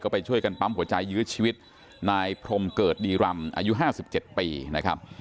ไปช่วยกันปั๊มหัวใจยื้อชีวิตนายพรมเกิดดีรำอายุ๕๗ปีนะครับ